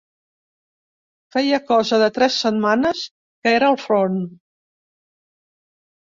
Feia cosa de tres setmanes que era al front